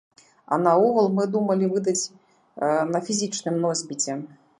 А наогул, мы думалі выдаць на фізічным носьбіце.